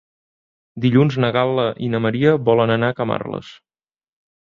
Dilluns na Gal·la i na Maria volen anar a Camarles.